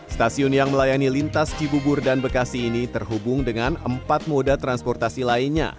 stasiun yang melayani lintas cibubur dan bekasi ini terhubung dengan empat moda transportasi lainnya